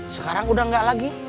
sekarang udah nggak lagi